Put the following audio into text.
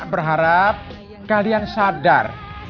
berharap kalian sadar